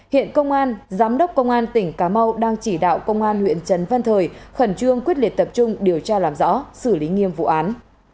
hiện công an giám đốc công an tỉnh cà mau đang chỉ đạo công an huyện trần văn thời khẩn trương quyết liệt tập trung điều tra làm rõ xử lý nghiêm vụ án